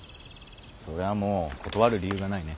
それはもう断る理由がないね。